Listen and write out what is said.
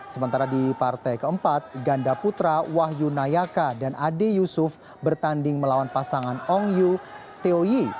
sementara di partai keempat ganda putra wahyu nayaka dan ade yusuf bertanding melawan pasangan ong yu teo yi